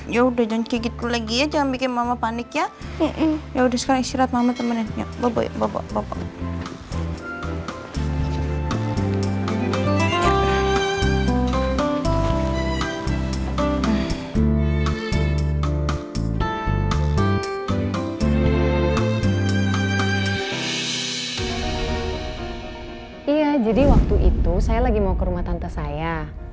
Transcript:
yaudah jangan kigit gue lagi ya